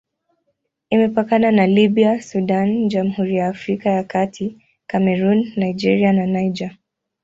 Imepakana na Libya, Sudan, Jamhuri ya Afrika ya Kati, Kamerun, Nigeria na Niger.